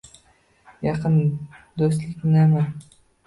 - Yaqin do'stliknimi?